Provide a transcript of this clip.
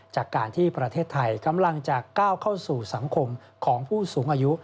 จากการที่ประเทศไทยกำลังจะก้าวเข้าสู่สังคมของผู้สูงอายุ